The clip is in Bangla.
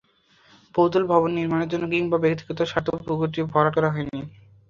বহুতল ভবন নির্মাণের জন্য কিংবা ব্যক্তিগত স্বার্থে পুকুরটি ভরাট করা হয়নি।